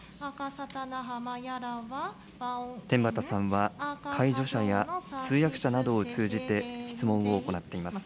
天畠さんは、介助者や通訳者などを通じて質問を行っています。